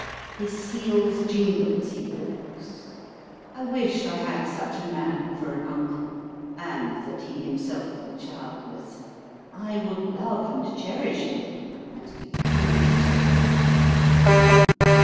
His seals jingle as he walks. I wish I had such a man for an uncle, and that he himself were childless. I would love and cherish him, and be kind to him.